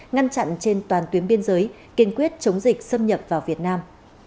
ngăn chặn trên toàn tuyến biên giới kiên quyết chống dịch xâm nhập vào việt nam